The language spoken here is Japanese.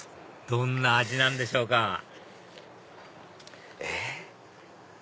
どんな味なんでしょうかえ？